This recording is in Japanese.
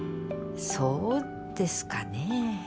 そうですかね。